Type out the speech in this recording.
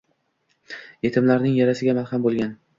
yetimlarning yarasiga malham bo'lgan